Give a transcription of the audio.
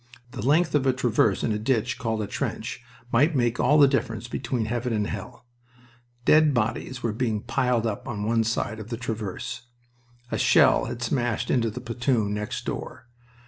The length of a traverse in a ditch called a trench might make all the difference between heaven and hell. Dead bodies were being piled up on one side of the traverse. A shell had smashed into the platoon next door.